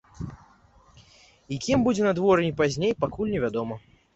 Якім будзе надвор'е пазней, пакуль невядома.